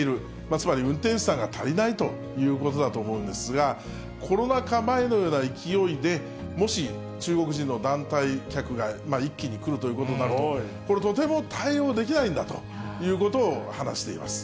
つまり運転手さんが足りないということだと思うんですが、コロナ禍前のような勢いで、もし、中国人の団体客が一気に来るということになると、これ、とても対応できないんだということを話しています。